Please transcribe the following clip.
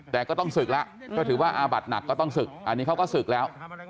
แต่ก็ต้องศึกแล้วก็ถือว่าอาบัดหนักก็ต้องศึกอันนี้เขาก็ศึกแล้ว